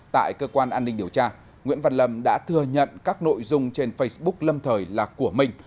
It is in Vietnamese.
tại cơ quan an ninh điều tra nguyễn văn lâm đã thừa nhận các nội dung trên facebook lâm thời là của mình